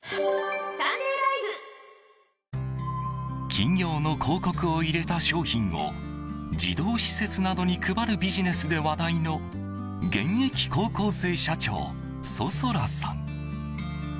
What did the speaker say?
企業の広告を入れた商品を児童施設などに配るビジネスで話題の現役高校生社長想空さん。